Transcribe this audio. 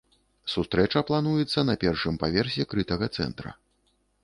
Сустрэча плануецца на першым паверсе крытага цэнтра.